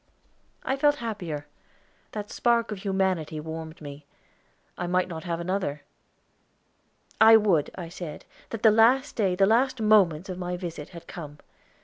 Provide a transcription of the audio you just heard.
I felt happier; that spark of humanity warmed me. I might not have another. "I would," I said, "that the last day, the last moments of my visit had come.